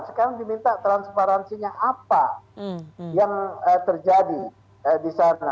sekarang diminta transparansinya apa yang terjadi disana